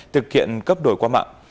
thực hiện cấp đổi qua mạng